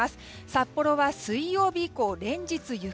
札幌は水曜日以降連日、雪。